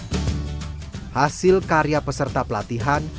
hasil karya peserta pelatihan kemudian dirangkum ke dalam kursus penulisan